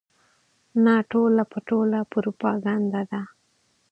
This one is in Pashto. نه ټول په ټوله پروپاګنډه ده.